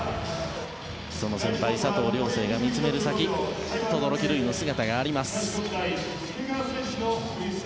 その先輩佐藤涼成が見つめる先轟琉維の姿があります。